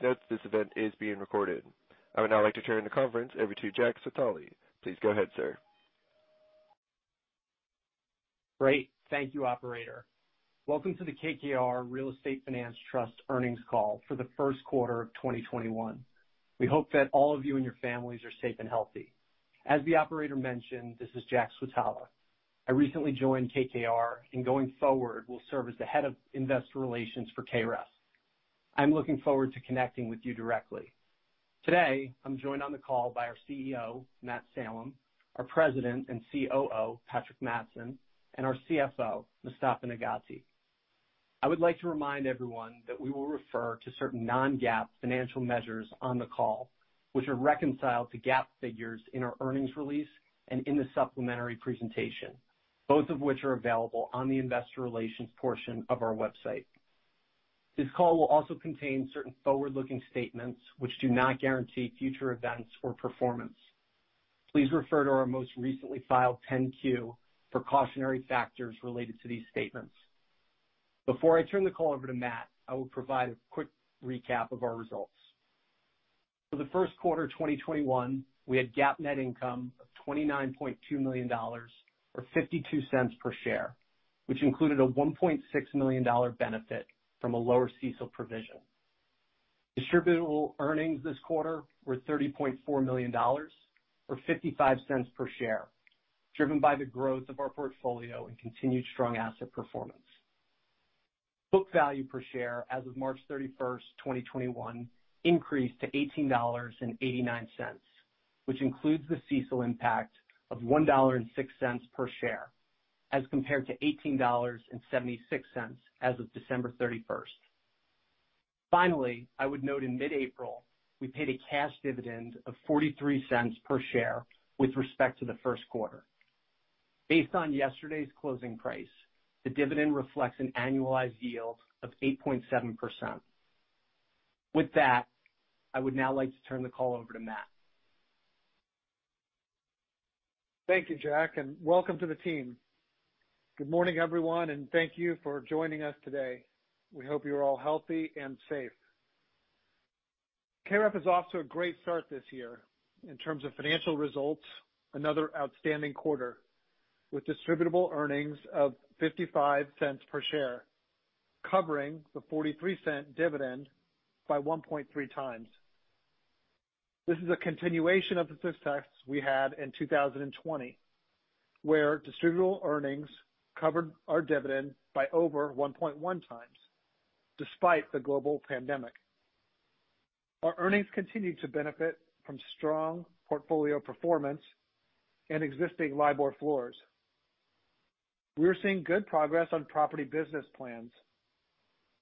Please note this event is being recorded. I would now like to turn the conference over to Jack Switala. Please go ahead, sir. Great. Thank you, operator. Welcome to the KKR Real Estate Finance Trust earnings call for the first quarter of 2021. We hope that all of you and your families are safe and healthy. As the operator mentioned, this is Jack Switala. I recently joined KKR, and going forward, will serve as the head of investor relations for KREF. I'm looking forward to connecting with you directly. Today, I'm joined on the call by our CEO, Matt Salem, our President and COO, W. Patrick Mattson, and our CFO, Mostafa Nagaty. I would like to remind everyone that we will refer to certain non-GAAP financial measures on the call, which are reconciled to GAAP figures in our earnings release and in the supplementary presentation, both of which are available on the investor relations portion of our website. This call will also contain certain forward-looking statements which do not guarantee future events or performance. Please refer to our most recently filed 10-Q for cautionary factors related to these statements. Before I turn the call over to Matt, I will provide a quick recap of our results. For the first quarter of 2021, we had GAAP net income of $29.2 million, or $0.52 per share, which included a $1.6 million benefit from a lower CECL provision. Distributable earnings this quarter were $30.4 million, or $0.55 per share, driven by the growth of our portfolio and continued strong asset performance. Book value per share as of March 31st, 2021, increased to $18.89, which includes the CECL impact of $1.06 per share, as compared to $18.76 as of December 31st. Finally, I would note in mid-April, we paid a cash dividend of $0.43 per share with respect to the first quarter. Based on yesterday's closing price, the dividend reflects an annualized yield of 8.7%. With that, I would now like to turn the call over to Matt. Thank you, Jack, and welcome to the team. Good morning, everyone, and thank you for joining us today. We hope you are all healthy and safe. KREF is off to a great start this year. In terms of financial results, another outstanding quarter, with distributable earnings of $0.55 per share, covering the $0.43 dividend by 1.3x. This is a continuation of the success we had in 2020, where distributable earnings covered our dividend by over 1.1x, despite the global pandemic. Our earnings continued to benefit from strong portfolio performance and existing LIBOR floors. We are seeing good progress on property business plans,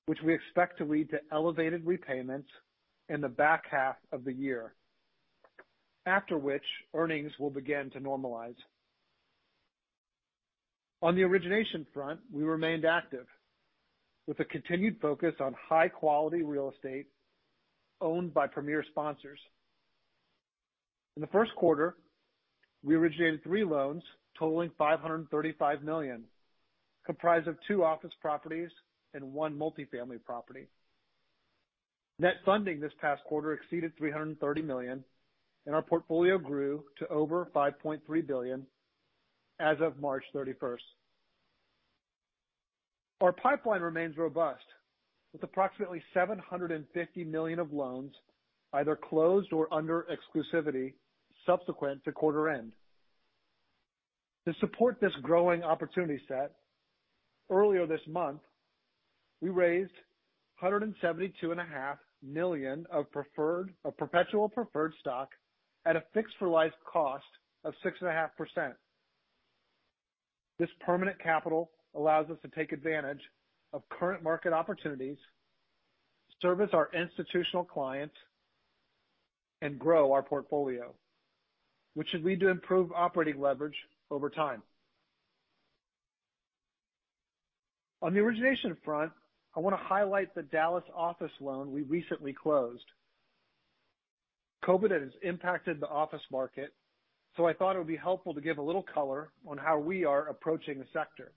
which we expect to lead to elevated repayments in the back half of the year, after which earnings will begin to normalize. On the origination front, we remained active with a continued focus on high-quality real estate owned by premier sponsors. In the first quarter, we originated three loans totaling $535 million, comprised of two office properties and one multifamily property. Net funding this past quarter exceeded $330 million, and our portfolio grew to over $5.3 billion as of March 31st. Our pipeline remains robust, with approximately $750 million of loans either closed or under exclusivity subsequent to quarter end. To support this growing opportunity set, earlier this month, we raised $172.5 million of perpetual preferred stock at a fixed-for-life cost of 6.5%. This permanent capital allows us to take advantage of current market opportunities, service our institutional clients, and grow our portfolio, which should lead to improved operating leverage over time. On the origination front, I want to highlight the Dallas office loan we recently closed. COVID has impacted the office market. I thought it would be helpful to give a little color on how we are approaching the sector.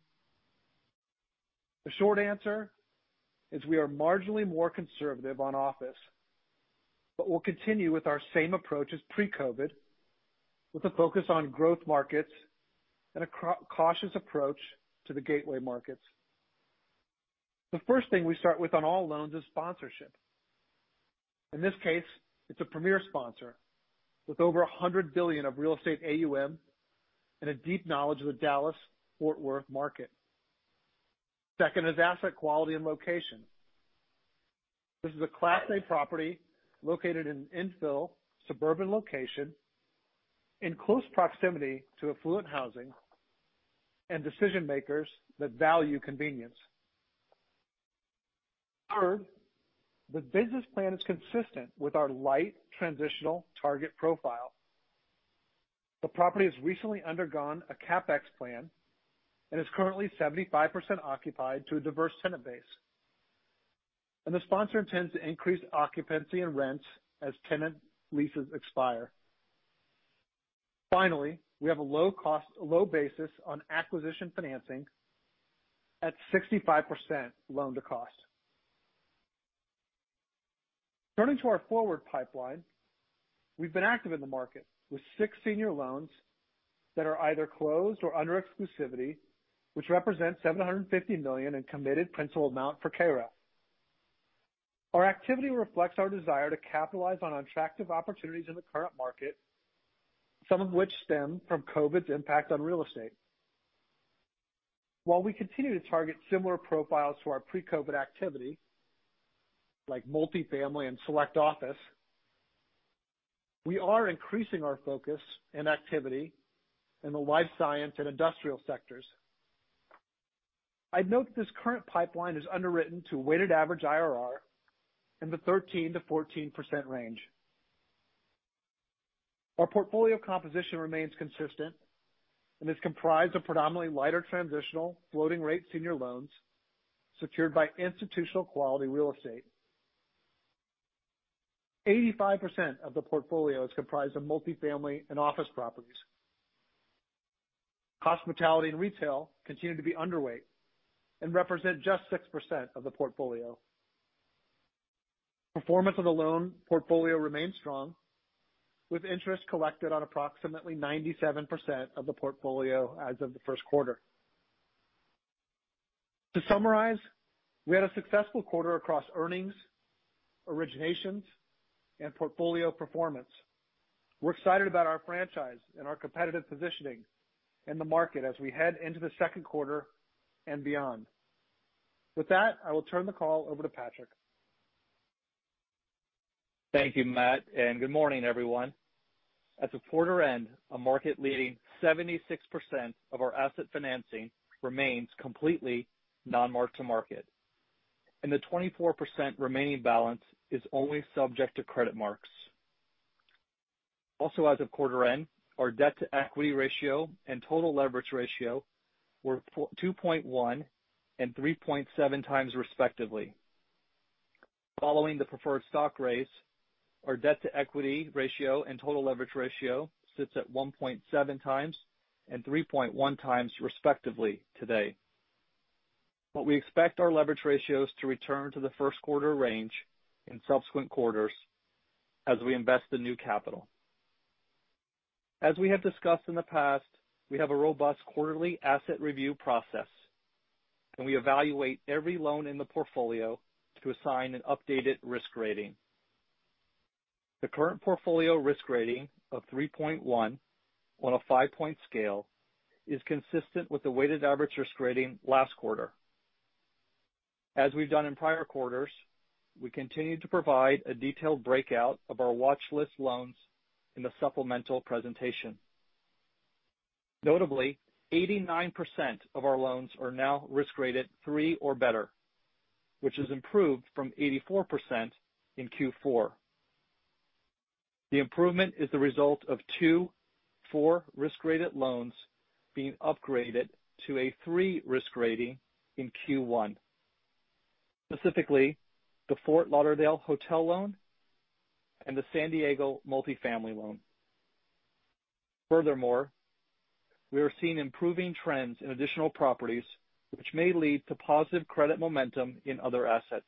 The short answer is we are marginally more conservative on office. We'll continue with our same approach as pre-COVID, with a focus on growth markets and a cautious approach to the gateway markets. The first thing we start with on all loans is sponsorship. In this case, it's a premier sponsor with over $100 billion of real estate AUM and a deep knowledge of the Dallas-Fort Worth market. Second is asset quality and location. This is a Class A property located in an infill suburban location in close proximity to affluent housing and decision-makers that value convenience. Third, the business plan is consistent with our light transitional target profile. The property has recently undergone a CapEx plan and is currently 75% occupied to a diverse tenant base. The sponsor intends to increase occupancy and rents as tenant leases expire. Finally, we have a low basis on acquisition financing at 65% loan-to-cost. Turning to our forward pipeline, we have been active in the market with six senior loans that are either closed or under exclusivity, which represents $750 million in committed principal amount for KREF. Our activity reflects our desire to capitalize on attractive opportunities in the current market, some of which stem from COVID's impact on real estate. While we continue to target similar profiles to our pre-COVID activity, like multifamily and select office, we are increasing our focus and activity in the life science and industrial sectors. I would note that this current pipeline is underwritten to a weighted average IRR in the 13%-14% range. Our portfolio composition remains consistent and is comprised of predominantly lighter transitional floating rate senior loans secured by institutional quality real estate. 85% of the portfolio is comprised of multifamily and office properties. Hospitality and retail continue to be underweight and represent just 6% of the portfolio. Performance of the loan portfolio remains strong, with interest collected on approximately 97% of the portfolio as of the first quarter. To summarize, we had a successful quarter across earnings, originations, and portfolio performance. We're excited about our franchise and our competitive positioning in the market as we head into the second quarter and beyond. With that, I will turn the call over to Patrick. Thank you, Matt, and good morning, everyone. At the quarter end, a market leading 76% of our asset financing remains completely non-mark-to-market, and the 24% remaining balance is only subject to credit marks. Also as of quarter end, our debt to equity ratio and total leverage ratio were 2.1 and 3.7x respectively. Following the preferred stock raise, our debt to equity ratio and total leverage ratio sits at 1.7x and 3.1x respectively today. We expect our leverage ratios to return to the first quarter range in subsequent quarters as we invest in new capital. As we have discussed in the past, we have a robust quarterly asset review process, and we evaluate every loan in the portfolio to assign an updated risk rating. The current portfolio risk rating of 3.1 on a five-point scale is consistent with the weighted average risk rating last quarter. As we've done in prior quarters, we continue to provide a detailed breakout of our watch list loans in the supplemental presentation. Notably, 89% of our loans are now risk rated three or better, which has improved from 84% in Q4. The improvement is the result of two, four risk rated loans being upgraded to a three risk rating in Q1, specifically the Fort Lauderdale hotel loan and the San Diego multifamily loan. We are seeing improving trends in additional properties, which may lead to positive credit momentum in other assets.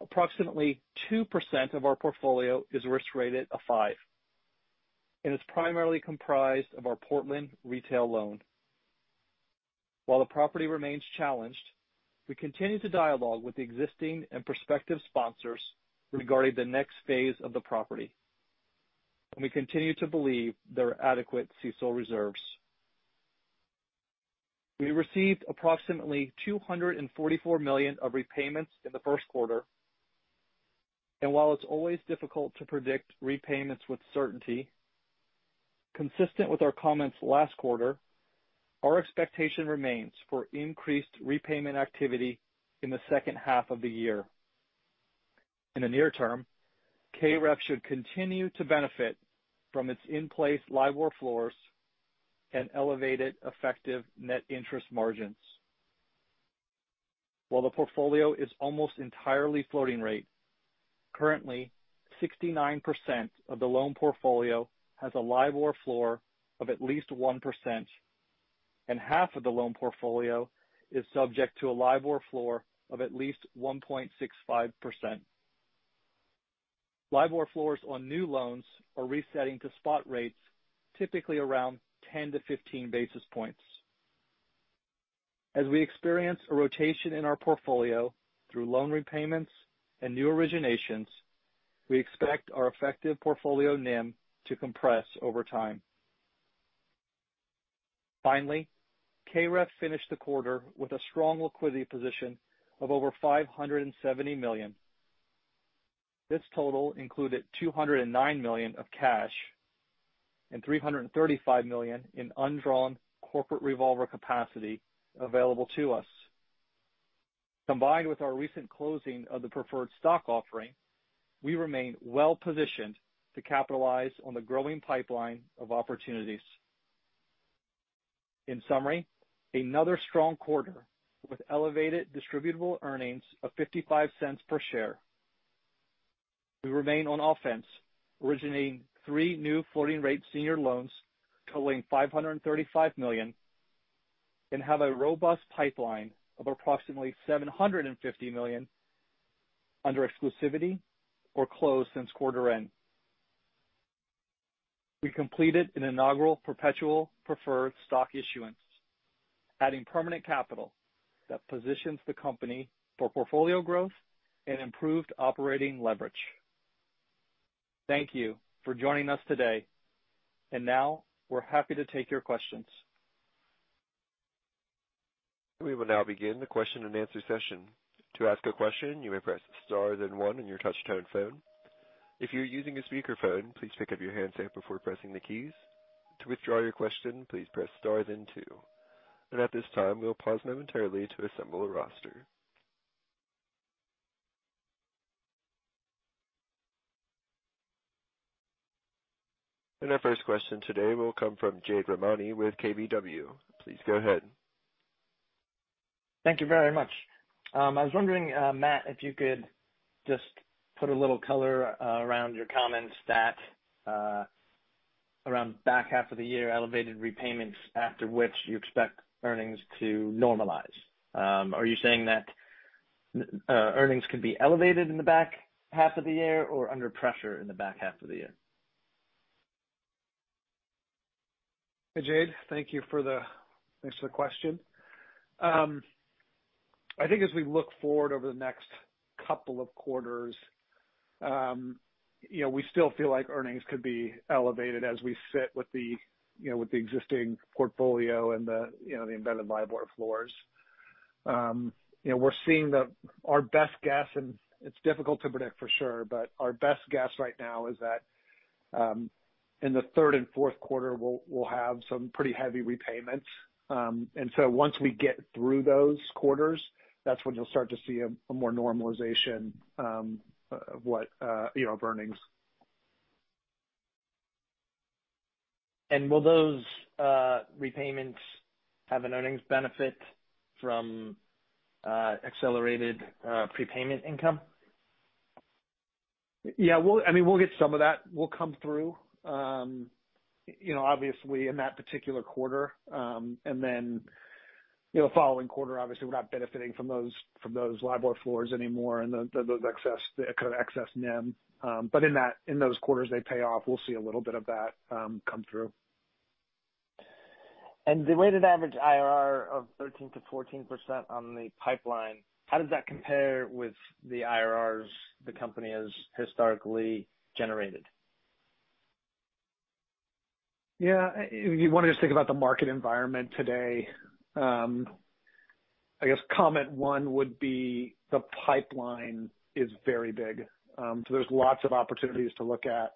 Approximately 2% of our portfolio is risk rated a five, and is primarily comprised of our Portland retail loan. While the property remains challenged, we continue to dialogue with the existing and prospective sponsors regarding the next phase of the property, and we continue to believe there are adequate CECL reserves. We received approximately $244 million of repayments in the first quarter. While it's always difficult to predict repayments with certainty, consistent with our comments last quarter, our expectation remains for increased repayment activity in the second half of the year. In the near term, KREF should continue to benefit from its in-place LIBOR floors and elevated effective net interest margins. While the portfolio is almost entirely floating rate, currently 69% of the loan portfolio has a LIBOR floor of at least 1%, and half of the loan portfolio is subject to a LIBOR floor of at least 1.65%. LIBOR floors on new loans are resetting to spot rates, typically around 10-15 basis points. As we experience a rotation in our portfolio through loan repayments and new originations, we expect our effective portfolio NIM to compress over time. Finally, KREF finished the quarter with a strong liquidity position of over $570 million. This total included $209 million of cash and $335 million in undrawn corporate revolver capacity available to us. Combined with our recent closing of the preferred stock offering, we remain well positioned to capitalize on the growing pipeline of opportunities. In summary, another strong quarter with elevated distributable earnings of $0.55 per share. We remain on offense, originating three new floating rate senior loans totaling $535 million, and have a robust pipeline of approximately $750 million under exclusivity or closed since quarter end. We completed an inaugural perpetual preferred stock issuance, adding permanent capital that positions the company for portfolio growth and improved operating leverage. Thank you for joining us today. Now we're happy to take your questions. Our first question today will come from Jade Rahmani with KBW. Please go ahead. Thank you very much. I was wondering, Matt, if you could just put a little color around your comments that around back half of the year, elevated repayments, after which you expect earnings to normalize. Are you saying that earnings could be elevated in the back half of the year or under pressure in the back half of the year? Hey, Jade. Thanks for the question. I think as we look forward over the next couple of quarters, we still feel like earnings could be elevated as we sit with the existing portfolio and the embedded LIBOR floors. We're seeing that our best guess, and it's difficult to predict for sure, but our best guess right now is that, in the third and fourth quarter, we'll have some pretty heavy repayments. Once we get through those quarters, that's when you'll start to see a more normalization of earnings. Will those repayments have an earnings benefit from accelerated prepayment income? Yeah. We'll get some of that. We'll come through obviously in that particular quarter. Then, the following quarter, obviously, we're not benefiting from those LIBOR floors anymore and the kind of excess NIM. In those quarters they pay off, we'll see a little bit of that come through. The weighted average IRR of 13%-14% on the pipeline, how does that compare with the IRRs the company has historically generated? Yeah. You want to just think about the market environment today. I guess comment one would be the pipeline is very big. There's lots of opportunities to look at.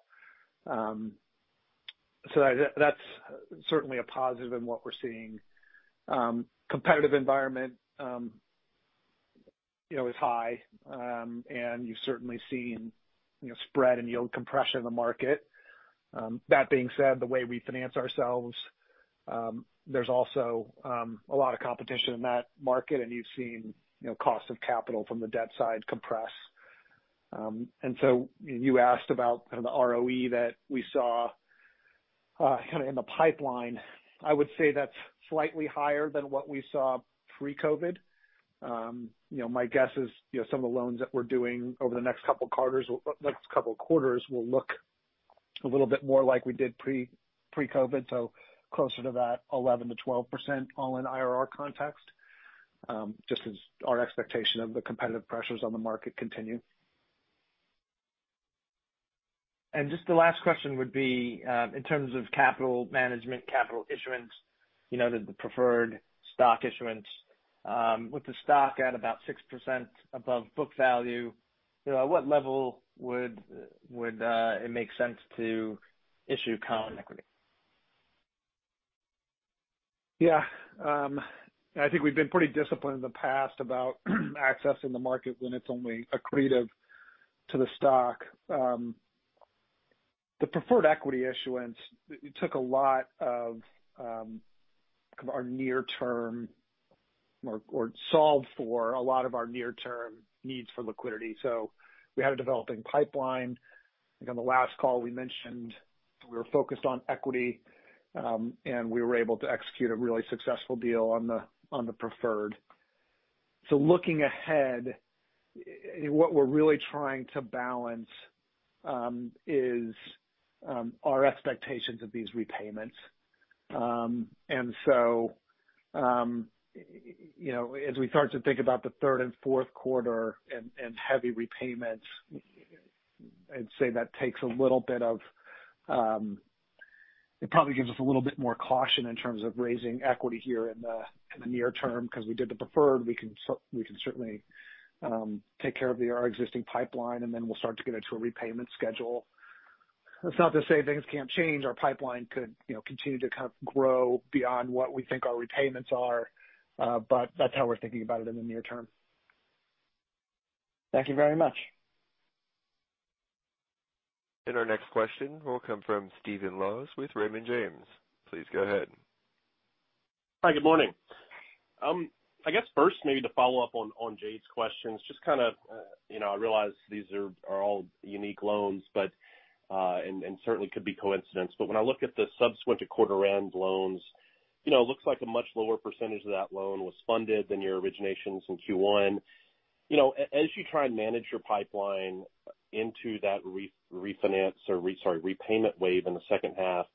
That's certainly a positive in what we're seeing. Competitive environment is high. You've certainly seen spread and yield compression in the market. That being said, the way we finance ourselves, there's also a lot of competition in that market, and you've seen cost of capital from the debt side compress. You asked about the ROE that we saw in the pipeline. I would say that's slightly higher than what we saw pre-COVID. My guess is some of the loans that we're doing over the next couple quarters will look a little bit more like we did pre-COVID, so closer to that 11%-12% all-in IRR context, just as our expectation of the competitive pressures on the market continue. Just the last question would be, in terms of capital management, capital issuance, the preferred stock issuance. With the stock at about 6% above book value, at what level would it make sense to issue common equity? Yeah. I think we've been pretty disciplined in the past about accessing the market when it's only accretive to the stock. The preferred equity issuance took a lot of our near-term or solved for a lot of our near-term needs for liquidity. We had a developing pipeline. I think on the last call we mentioned we were focused on equity, we were able to execute a really successful deal on the preferred. Looking ahead, what we're really trying to balance is our expectations of these repayments. As we start to think about the third and fourth quarter and heavy repayments, I'd say that it probably gives us a little bit more caution in terms of raising equity here in the near term because we did the preferred. We can certainly take care of our existing pipeline, and then we'll start to get into a repayment schedule. That's not to say things can't change. Our pipeline could continue to grow beyond what we think our repayments are. That's how we're thinking about it in the near term. Thank you very much. Our next question will come from Stephen Laws with Raymond James. Please go ahead. Hi, good morning. I guess first maybe to follow up on Jade's questions, I realize these are all unique loans and certainly could be coincidence, but when I look at the subsequent quarter end loans, it looks like a much lower percentage of that loan was funded than your originations in Q1. As you try and manage your pipeline into that repayment wave in the second half,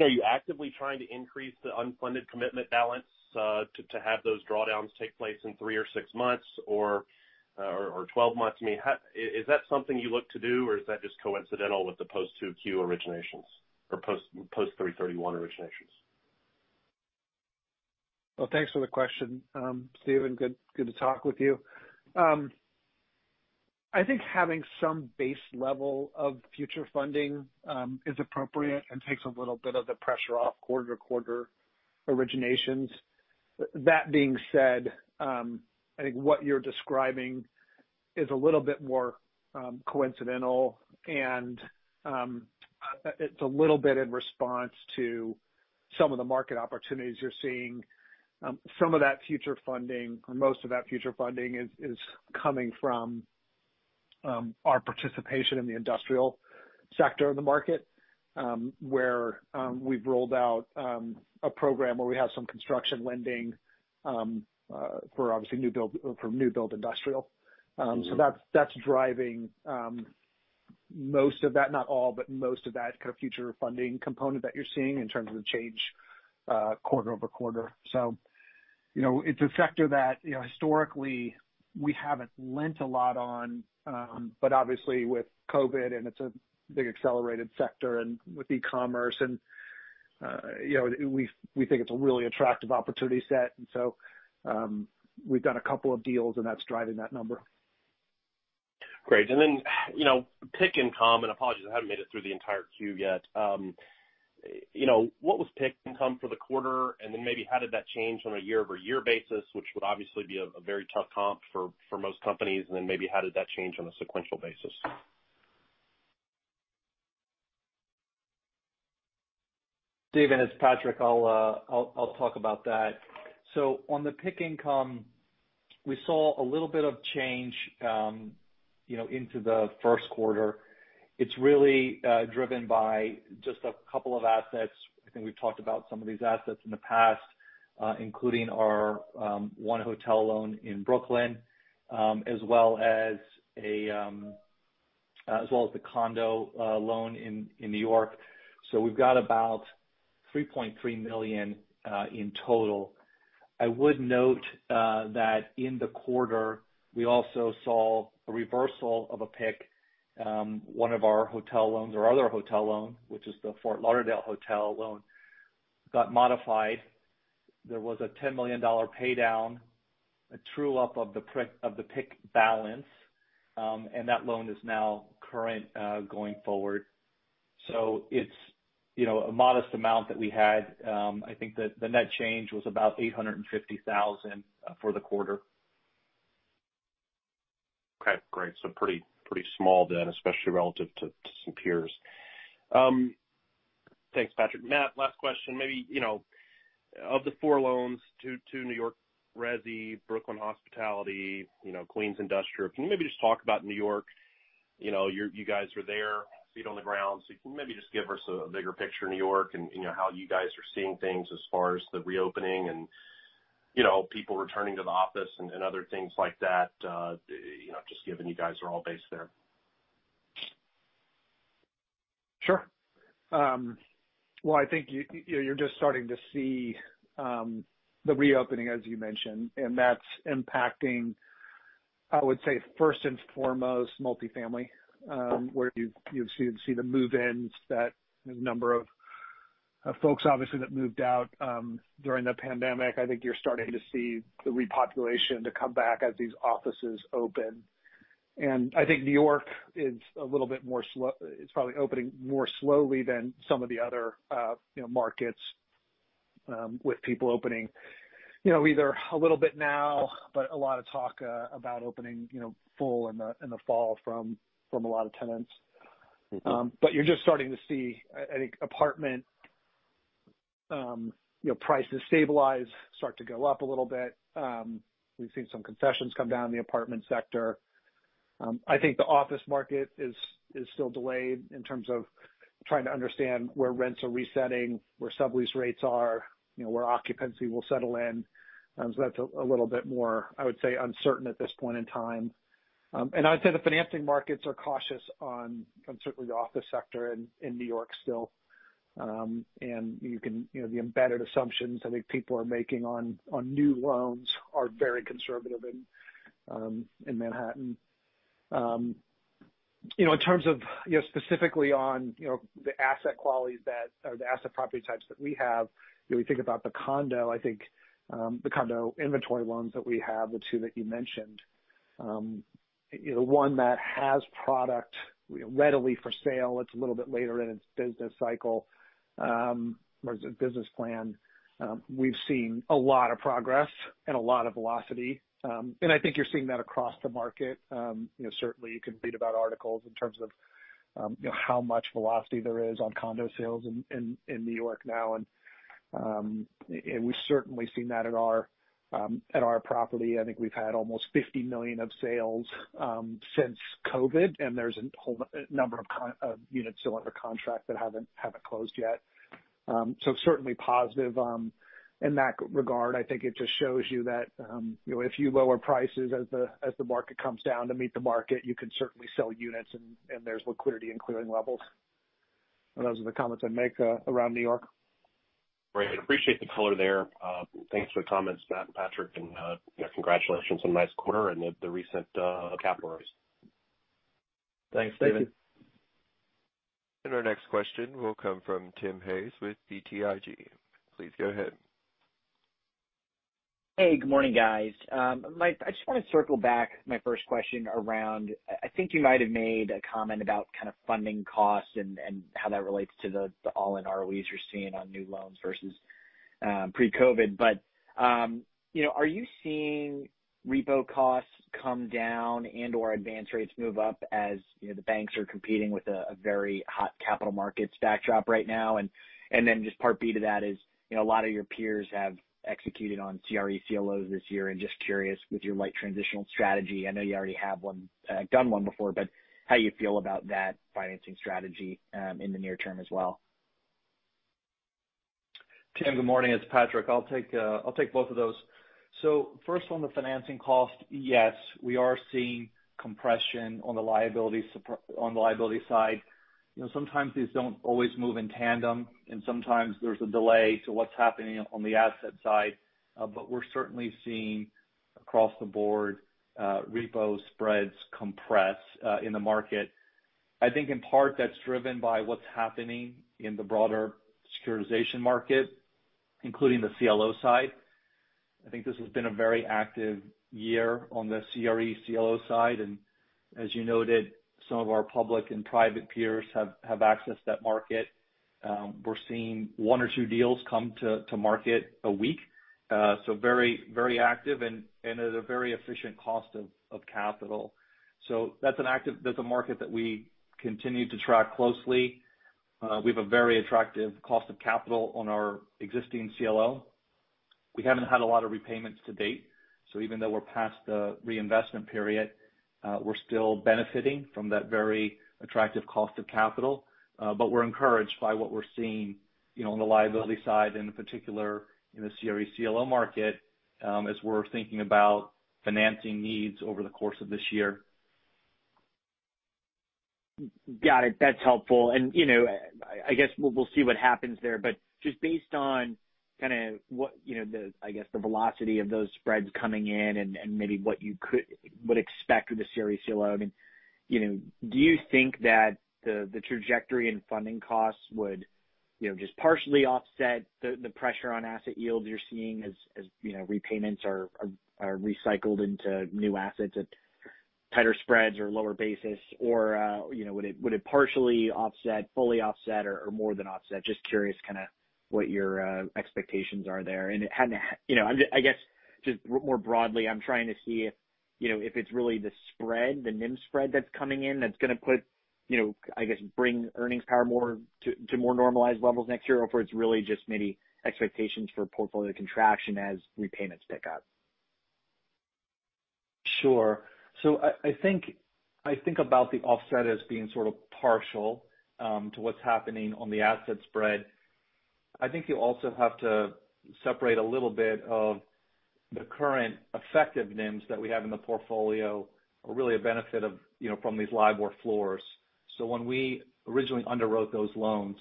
are you actively trying to increase the unfunded commitment balance to have those drawdowns take place in three or six months or 12 months? Is that something you look to do or is that just coincidental with the post 2Q originations or post 331 originations? Well, thanks for the question, Stephen. Good to talk with you. I think having some base level of future funding is appropriate and takes a little bit of the pressure off quarter-to-quarter originations. That being said, I think what you're describing is a little bit more coincidental and it's a little bit in response to some of the market opportunities you're seeing. Some of that future funding or most of that future funding is coming from our participation in the industrial sector of the market, where we've rolled out a program where we have some construction lending for obviously new build industrial. That's driving most of that, not all, but most of that kind of future funding component that you're seeing in terms of the change quarter-over-quarter. It's a sector that historically we haven't lent a lot on. Obviously with COVID, and it's a big accelerated sector and with e-commerce and we think it's a really attractive opportunity set. We've done a couple of deals and that's driving that number. Great. PIK income, apologies, I haven't made it through the entire 10-Q yet. What was PIK income for the quarter? Maybe how did that change on a year-over-year basis, which would obviously be a very tough comp for most companies. Maybe how did that change on a sequential basis? Stephen, it's Patrick. I'll talk about that. On the PIK income, we saw a little bit of change into the first quarter. It's really driven by just a couple of assets. I think we've talked about some of these assets in the past, including our one hotel loan in Brooklyn as well as the condo loan in New York. We've got about $3.3 million in total. I would note that in the quarter we also saw a reversal of a PIK. One of our hotel loans or other hotel loan, which is the Fort Lauderdale hotel loan, got modified. There was a $10 million pay down, a true-up of the PIK balance. That loan is now current going forward. It's a modest amount that we had. I think that the net change was about $850,000 for the quarter. Okay, great. Pretty small then, especially relative to some peers. Thanks, Patrick. Matt, last question. Of the four loans, two New York resi, Brooklyn hospitality, Queens industrial. Can you maybe just talk about New York? You guys are there, feet on the ground. Maybe just give us a bigger picture of New York and how you guys are seeing things as far as the reopening and people returning to the office and other things like that, just given you guys are all based there. Sure. Well, I think you're just starting to see the reopening, as you mentioned, and that's impacting, I would say, first and foremost, multifamily where you've seen the move-ins that a number of folks obviously that moved out during the pandemic. I think you're starting to see the repopulation to come back as these offices open. I think New York is probably opening more slowly than some of the other markets with people opening either a little bit now but a lot of talk about opening full in the fall from a lot of tenants. You're just starting to see, I think apartment prices stabilize, start to go up a little bit. We've seen some concessions come down in the apartment sector. I think the office market is still delayed in terms of trying to understand where rents are resetting, where sublease rates are, where occupancy will settle in. That's a little bit more, I would say, uncertain at this point in time. I would say the financing markets are cautious on certainly the office sector in New York still. The embedded assumptions I think people are making on new loans are very conservative in Manhattan. In terms of specifically on the asset qualities or the asset property types that we have, we think about the condo inventory loans that we have, the two that you mentioned. One that has product readily for sale. It's a little bit later in its business cycle, or business plan. We've seen a lot of progress and a lot of velocity. I think you're seeing that across the market. Certainly, you can read about articles in terms of how much velocity there is on condo sales in New York now. We've certainly seen that at our property. I think we've had almost $50 million of sales since COVID, and there's a whole number of units still under contract that haven't closed yet. Certainly positive in that regard. I think it just shows you that if you lower prices as the market comes down to meet the market, you can certainly sell units, and there's liquidity in clearing levels. Those are the comments I'd make around New York. Great. I appreciate the color there. Thanks for the comments, Matt and Patrick, and congratulations on a nice quarter and the recent capital raise. Thanks, David. Thank you. Our next question will come from Timothy Hayes with BTIG. Please go ahead. Hey, good morning, guys. I just want to circle back my first question around, I think you might have made a comment about funding costs and how that relates to the all-in ROEs you're seeing on new loans versus pre-COVID. Are you seeing repo costs come down and/or advance rates move up as the banks are competing with a very hot capital markets backdrop right now? Just part B to that is, a lot of your peers have executed on CRE CLOs this year and just curious with your light transitional strategy. I know you already have done one before, but how you feel about that financing strategy in the near term as well. Tim, good morning. It's Patrick. I'll take both of those. First on the financing cost, yes, we are seeing compression on the liability side. Sometimes these don't always move in tandem, and sometimes there's a delay to what's happening on the asset side. We're certainly seeing across the board repo spreads compress in the market. I think in part, that's driven by what's happening in the broader securitization market, including the CLO side. I think this has been a very active year on the CRE CLO side, and as you noted, some of our public and private peers have accessed that market. We're seeing one or two deals come to market a week. Very active and at a very efficient cost of capital. That's a market that we continue to track closely. We have a very attractive cost of capital on our existing CLO. We haven't had a lot of repayments to date, so even though we're past the reinvestment period, we're still benefiting from that very attractive cost of capital. We're encouraged by what we're seeing on the liability side, in particular in the CRE CLO market, as we're thinking about financing needs over the course of this year. Got it. That's helpful. I guess we'll see what happens there, but just based on kind of what the velocity of those spreads coming in and maybe what you would expect with the CRE CLO, do you think that the trajectory in funding costs would just partially offset the pressure on asset yields you're seeing as repayments are recycled into new assets at tighter spreads or lower basis? Would it partially offset, fully offset, or more than offset? Just curious what your expectations are there. I guess, just more broadly, I'm trying to see if it's really the spread, the NIM spread that's coming in that's going to bring earnings power more to more normalized levels next year, or if it's really just maybe expectations for portfolio contraction as repayments pick up. Sure. I think about the offset as being sort of partial to what's happening on the asset spread. I think you also have to separate a little bit of the current effective NIMs that we have in the portfolio are really a benefit from these LIBOR floors. When we originally underwrote those loans,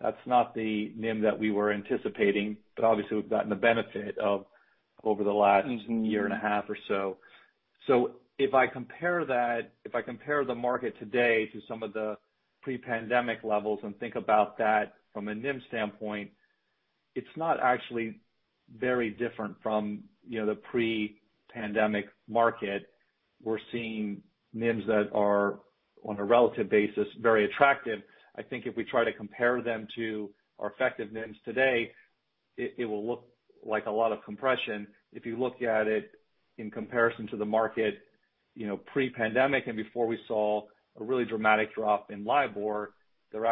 that's not the NIM that we were anticipating, but obviously we've gotten the benefit of over the last year and a half or so. If I compare the market today to some of the pre-pandemic levels and think about that from a NIM standpoint, it's not actually very different from the pre-pandemic market. We're seeing NIMs that are, on a relative basis, very attractive. I think if we try to compare them to our effective NIMs today, it will look like a lot of compression. If you look at it in comparison to the market pre-pandemic and before we saw a really dramatic drop in LIBOR, they're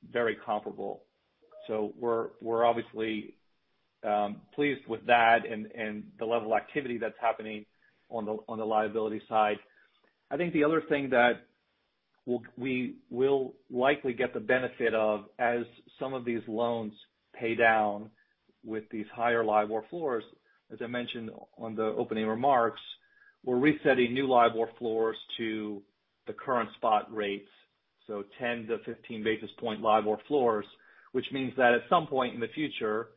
actually very comparable. We're obviously pleased with that and the level of activity that's happening on the liability side. I think the other thing that we will likely get the benefit of as some of these loans pay down with these higher LIBOR floors, as I mentioned on the opening remarks, we're resetting new LIBOR floors to the current spot rates, 10-15 basis point LIBOR floors, which means that at some point in the future,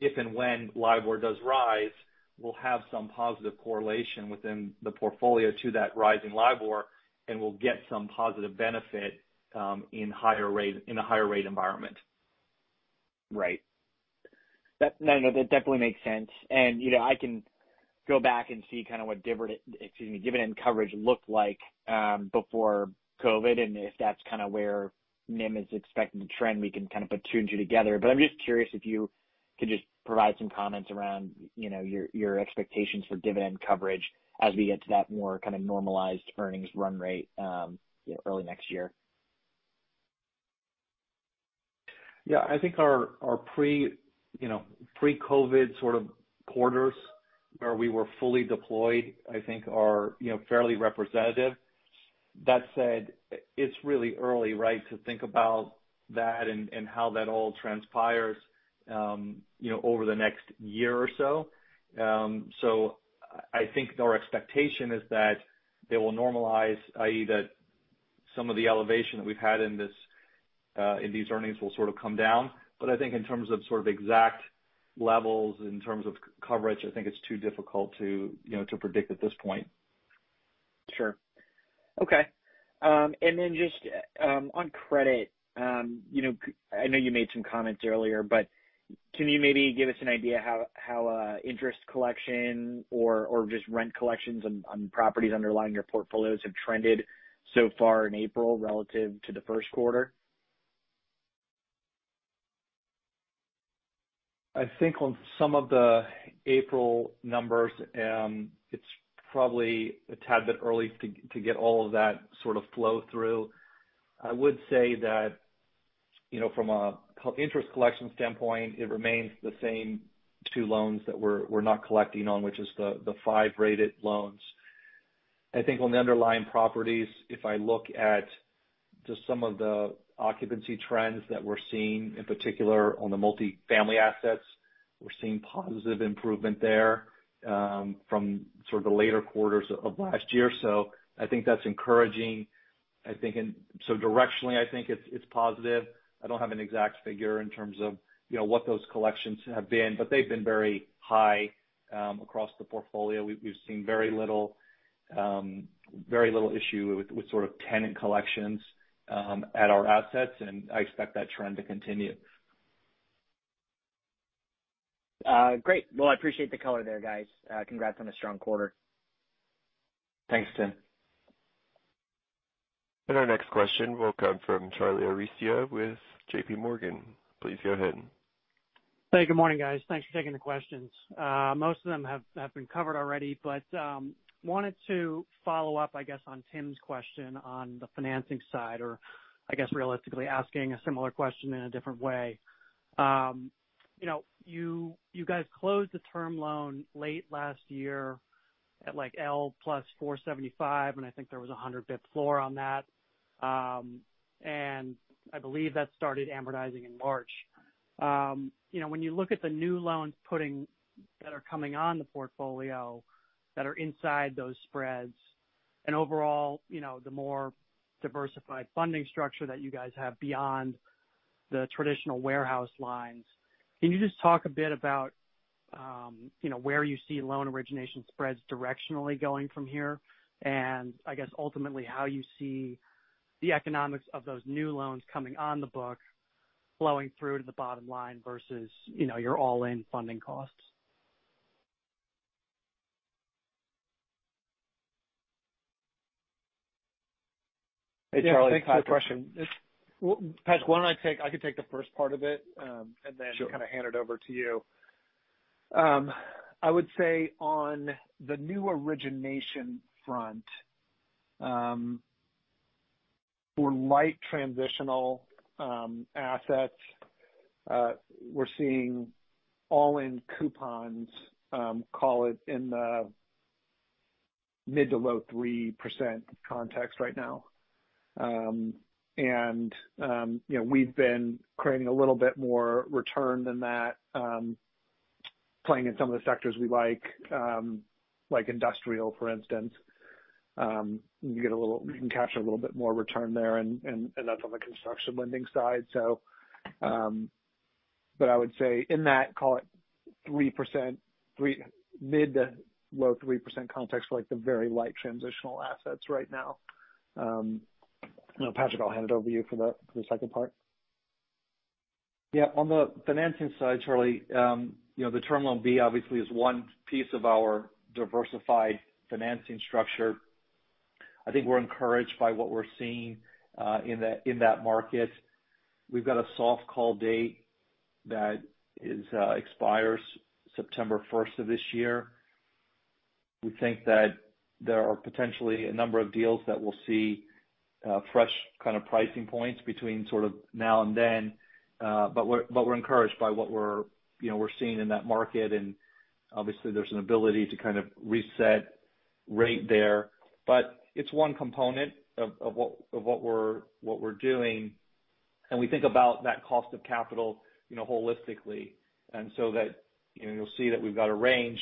if and when LIBOR does rise, we'll have some positive correlation within the portfolio to that rising LIBOR, and we'll get some positive benefit in a higher rate environment. Right. No, that definitely makes sense. I can go back and see what dividend coverage looked like before COVID, and if that's where NIM is expecting to trend, we can put two and two together. I'm just curious if you could just provide some comments around your expectations for dividend coverage as we get to that more normalized earnings run rate early next year. Yeah. I think our pre-COVID quarters where we were fully deployed, I think, are fairly representative. That said, it's really early to think about that and how that all transpires over the next year or so. I think our expectation is that they will normalize, i.e., that some of the elevation that we've had in these earnings will sort of come down. I think in terms of exact levels, in terms of coverage, I think it's too difficult to predict at this point. Sure. Okay. Just on credit, I know you made some comments earlier, but can you maybe give us an idea how interest collection or just rent collections on properties underlying your portfolios have trended so far in April relative to the first quarter? I think on some of the April numbers, it's probably a tad bit early to get all of that sort of flow through. I would say that from an interest collection standpoint, it remains the same two loans that we're not collecting on, which is the five rated loans. I think on the underlying properties, if I look at just some of the occupancy trends that we're seeing, in particular on the multifamily assets, we're seeing positive improvement there from the later quarters of last year. I think that's encouraging. Directionally, I think it's positive. I don't have an exact figure in terms of what those collections have been, but they've been very high across the portfolio. We've seen very little issue with tenant collections at our assets, and I expect that trend to continue. Great. Well, I appreciate the color there, guys. Congrats on a strong quarter. Thanks, Tim. Our next question will come from Charlie Arestia with JPMorgan. Please go ahead. Good morning, guys. Thanks for taking the questions. Most of them have been covered already, wanted to follow up, I guess, on Tim's question on the financing side, or I guess realistically asking a similar question in a different way. You guys closed the term loan late last year at L +475, and I think there was a 100 basis points floor on that. I believe that started amortizing in March. When you look at the new loans that are coming on the portfolio that are inside those spreads and overall the more diversified funding structure that you guys have beyond the traditional warehouse lines, can you just talk a bit about where you see loan origination spreads directionally going from here? I guess ultimately how you see the economics of those new loans coming on the book flowing through to the bottom line versus your all-in funding costs. Hey, Charlie. Thanks for the question. Yeah. Patrick, I can take the first part of it. Sure kind of hand it over to you. I would say on the new origination front, for light transitional assets, we're seeing all-in coupons, call it in the mid-to-low 3% context right now. We've been creating a little bit more return than that playing in some of the sectors we like industrial, for instance. You can capture a little bit more return there, and that's on the construction lending side. I would say in that, call it mid-to-low 3% context for the very light transitional assets right now. Patrick, I'll hand it over to you for the second part. Yeah. On the financing side, Charlie, the Term Loan B obviously is one piece of our diversified financing structure. I think we're encouraged by what we're seeing in that market. We've got a soft call date that expires September 1st of this year. We think that there are potentially a number of deals that will see fresh pricing points between now and then. We're encouraged by what we're seeing in that market, and obviously there's an ability to kind of reset rate there. It's one component of what we're doing, and we think about that cost of capital holistically. You'll see that we've got a range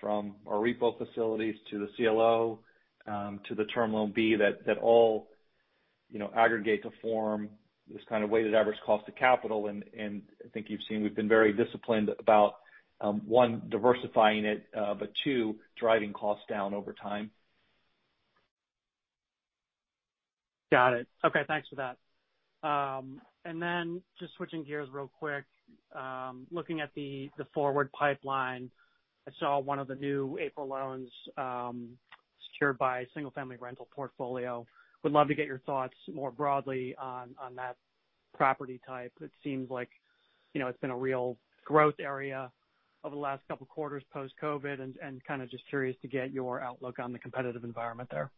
from our repo facilities to the CLO to the Term Loan B that all aggregate to form this kind of weighted average cost of capital. I think you've seen we've been very disciplined about, one, diversifying it, but two, driving costs down over time. Got it. Okay, thanks for that. Just switching gears real quick. Looking at the forward pipeline, I saw one of the new April loans secured by a single-family rental portfolio. Would love to get your thoughts more broadly on that property type. It seems like it's been a real growth area over the last couple of quarters post-COVID, kind of just curious to get your outlook on the competitive environment there.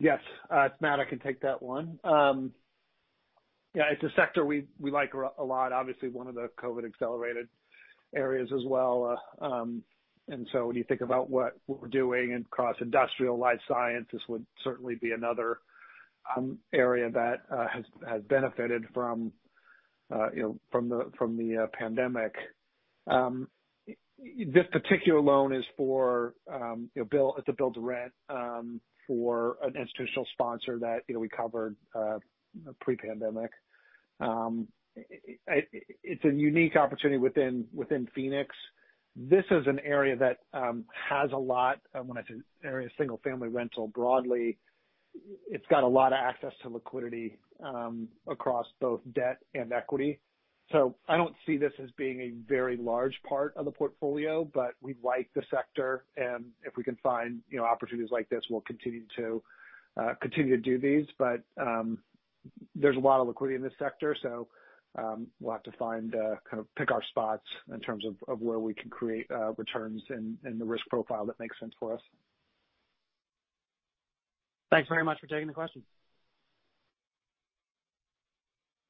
Yes. It's Matt, I can take that one. Yeah, it's a sector we like a lot. Obviously, one of the COVID-accelerated areas as well. When you think about what we're doing across industrial life sciences would certainly be another area that has benefited from the pandemic. This particular loan, it's a build-to-rent for an institutional sponsor that we covered pre-pandemic. It's a unique opportunity within Phoenix. This is an area that has a lot. When I say area, single-family rental broadly. It's got a lot of access to liquidity across both debt and equity. I don't see this as being a very large part of the portfolio, but we like the sector, and if we can find opportunities like this, we'll continue to do these. There's a lot of liquidity in this sector, so we'll have to kind of pick our spots in terms of where we can create returns and the risk profile that makes sense for us. Thanks very much for taking the question.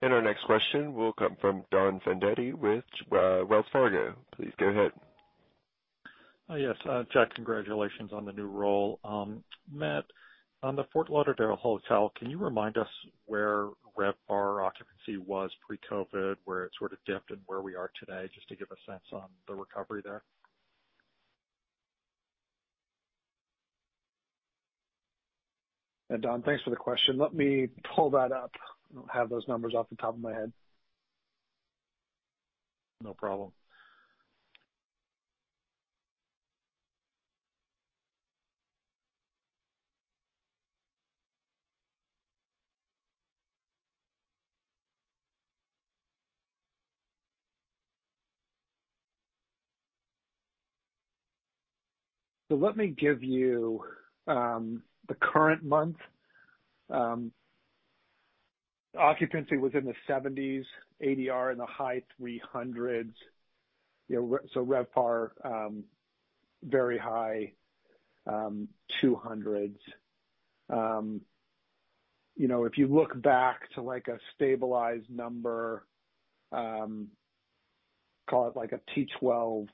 Our next question will come from Donald Fandetti with Wells Fargo. Please go ahead. Yes. Jack, congratulations on the new role. Matt, on the Fort Lauderdale Hotel, can you remind us where RevPAR occupancy was pre-COVID, where it sort of dipped and where we are today, just to give a sense on the recovery there? Don, thanks for the question. Let me pull that up. I don't have those numbers off the top of my head. No problem. Let me give you the current month. Occupancy was in the 70s, ADR in the high 300s. RevPAR, very high, 200s. If you look back to a stabilized number, call it like a T12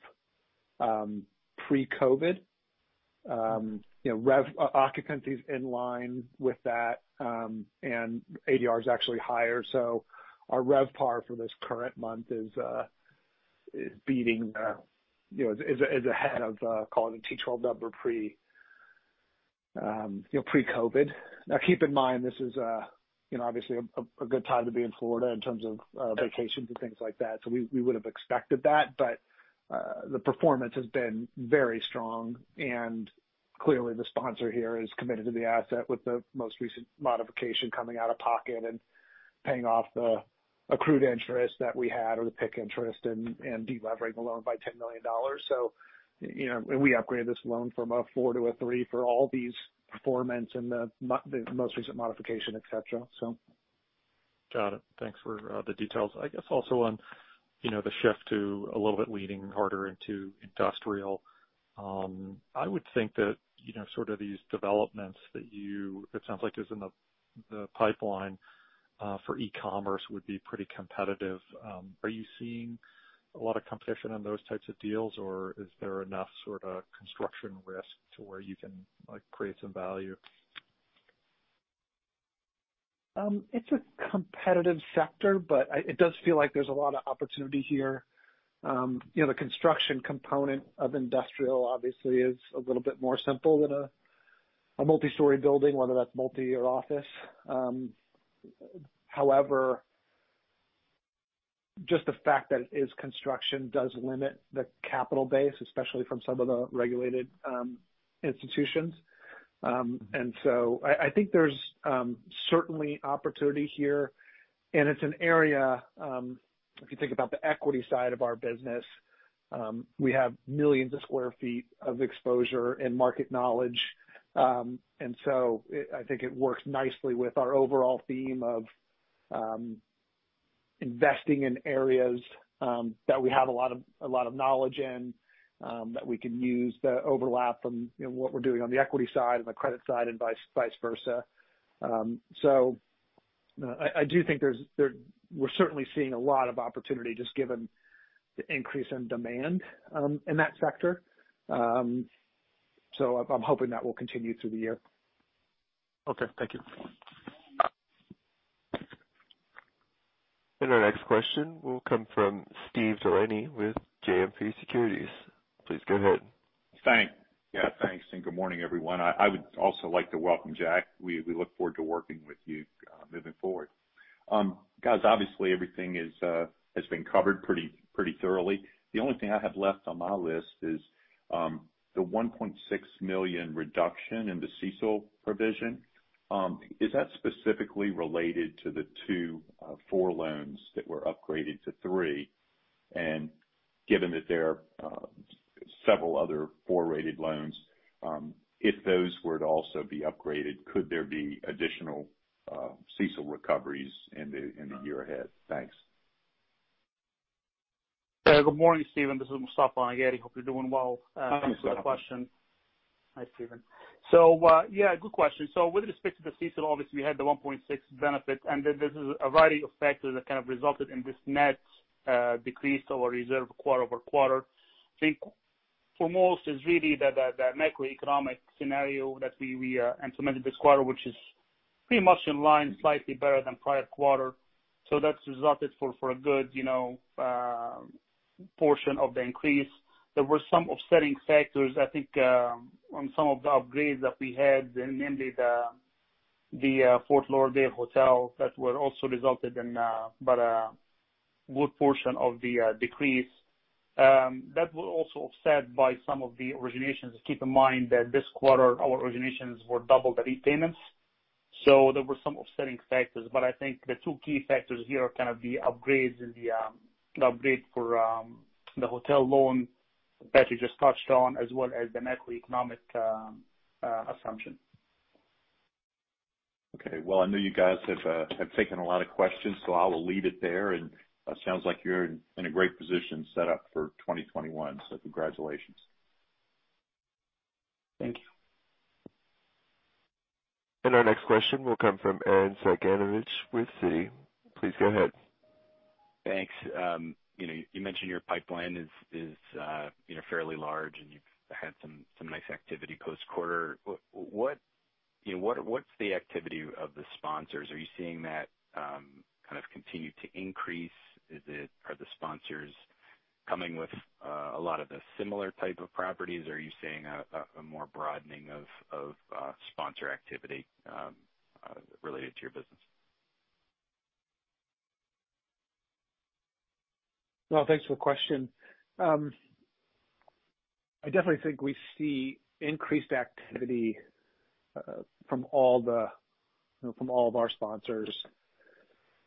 pre-COVID. Occupancy's in line with that, and ADR is actually higher. Our RevPAR for this current month is ahead of, call it a T12 number pre-COVID. Now, keep in mind this is obviously a good time to be in Florida in terms of vacations and things like that. We would have expected that. The performance has been very strong, and clearly the sponsor here is committed to the asset with the most recent modification coming out of pocket and paying off the accrued interest that we had or the PIK interest and de-leveraging the loan by $10 million. We upgraded this loan from a four to a three for all these performance and the most recent modification, et cetera. Got it. Thanks for the details. I guess also on the shift to a little bit leaning harder into industrial. I would think that sort of these developments that it sounds like is in the pipeline for e-commerce would be pretty competitive. Are you seeing a lot of competition on those types of deals, or is there enough sort of construction risk to where you can create some value? It's a competitive sector. It does feel like there's a lot of opportunity here. The construction component of industrial obviously is a little bit more simple than a multi-story building, whether that's multi or office. Just the fact that it is construction does limit the capital base, especially from some of the regulated institutions. I think there's certainly opportunity here, and it's an area, if you think about the equity side of our business, we have millions of square feet of exposure and market knowledge. I think it works nicely with our overall theme of investing in areas that we have a lot of knowledge in that we can use the overlap from what we're doing on the equity side and the credit side and vice versa. I do think we're certainly seeing a lot of opportunity just given the increase in demand in that sector. I'm hoping that will continue through the year. Okay. Thank you. Our next question will come from Steve DeLaney with JMP Securities. Please go ahead. Yeah, thanks, and good morning, everyone. I would also like to welcome Jack. We look forward to working with you moving forward. Guys, obviously everything has been covered pretty thoroughly. The only thing I have left on my list is the $1.6 million reduction in the CECL provision. Is that specifically related to the two four loans that were upgraded to three? Given that there are several other four-rated loans, if those were to also be upgraded, could there be additional CECL recoveries in the year ahead? Thanks. Good morning, Steve. This is Mostafa Nagaty. Hope you're doing well. Thanks for that question. Hi, Stephen. Yeah, good question. With respect to the CECL, obviously we had the $1.6 benefit, there's a variety of factors that kind of resulted in this net decrease of our reserve quarter-over-quarter. I think for most it's really the macroeconomic scenario that we implemented this quarter, which is pretty much in line, slightly better than prior quarter. That's resulted for a good portion of the increase. There were some offsetting factors, I think, on some of the upgrades that we had, namely the Fort Lauderdale Hotel that were also resulted in but a good portion of the decrease. That was also offset by some of the originations. Keep in mind that this quarter, our originations were double the repayments, there were some offsetting factors. I think the two key factors here are kind of the upgrades in the upgrade for the hotel loan that you just touched on, as well as the macroeconomic assumption. Okay. Well, I know you guys have taken a lot of questions, so I will leave it there. Sounds like you're in a great position set up for 2021, so congratulations. Thank you. Our next question will come from Arren Cyganovich with Citi. Please go ahead. Thanks. You mentioned your pipeline is fairly large, and you've had some nice activity post-quarter. What's the activity of the sponsors? Are you seeing that kind of continue to increase? Are the sponsors coming with a lot of the similar type of properties? Are you seeing a more broadening of sponsor activity related to your business? Well, thanks for the question. I definitely think we see increased activity from all of our sponsors.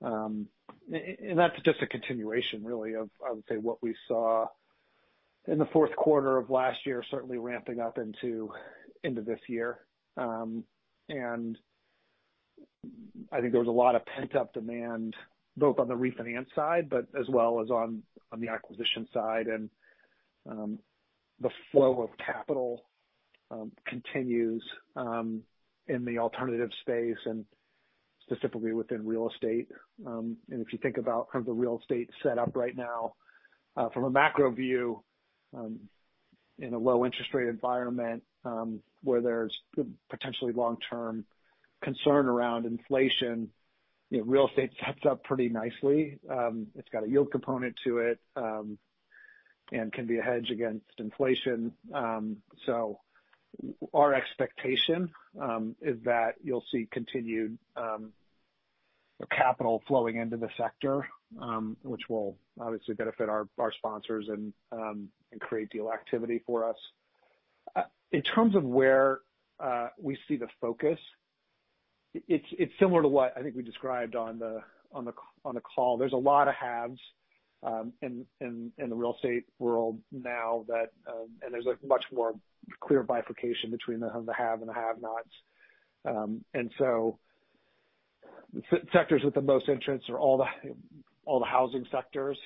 That's just a continuation, really, of, I would say, what we saw in the fourth quarter of last year, certainly ramping up into this year. I think there was a lot of pent-up demand, both on the refinance side, but as well as on the acquisition side. The flow of capital continues in the alternative space and specifically within real estate. If you think about kind of the real estate setup right now from a macro view, in a low interest rate environment, where there's potentially long-term concern around inflation, real estate's set up pretty nicely. It's got a yield component to it, and can be a hedge against inflation. Our expectation is that you'll see continued capital flowing into the sector, which will obviously benefit our sponsors and create deal activity for us. In terms of where we see the focus, it's similar to what I think we described on the call. There's a lot of haves in the real estate world now, and there's a much more clear bifurcation between the haves and the have-nots. Sectors with the most entrants are all the housing sectors.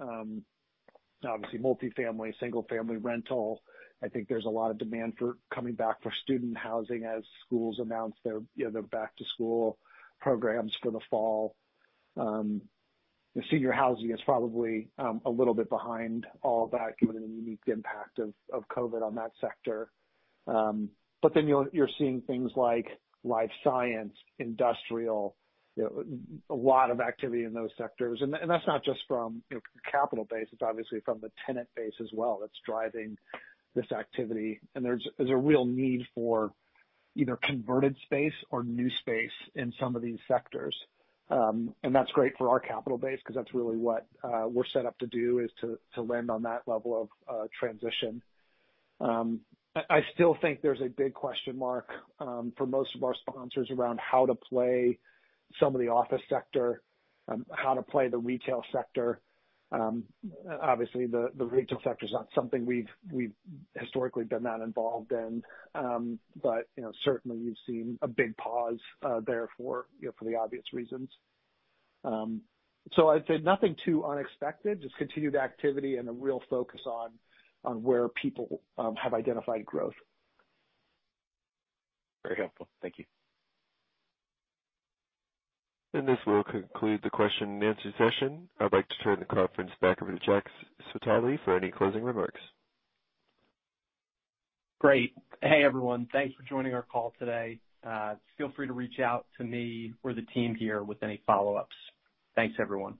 Obviously multifamily, single family rental. I think there's a lot of demand coming back for student housing as schools announce their back-to-school programs for the fall. Senior housing is probably a little bit behind all that, given the unique impact of COVID on that sector. You're seeing things like life science, industrial, a lot of activity in those sectors. That's not just from capital base, it's obviously from the tenant base as well, that's driving this activity. There's a real need for either converted space or new space in some of these sectors. That's great for our capital base because that's really what we're set up to do, is to lend on that level of transition. I still think there's a big question mark for most of our sponsors around how to play some of the office sector, how to play the retail sector. Obviously, the retail sector is not something we've historically been that involved in. Certainly you've seen a big pause there for the obvious reasons. I'd say nothing too unexpected, just continued activity and a real focus on where people have identified growth. Very helpful. Thank you. This will conclude the question and answer session. I'd like to turn the conference back over to Jack Switala for any closing remarks. Great. Hey, everyone. Thanks for joining our call today. Feel free to reach out to me or the team here with any follow-ups. Thanks, everyone.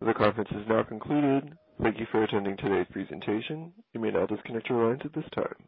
The conference is now concluded. Thank you for attending today's presentation. You may now disconnect your lines at this time.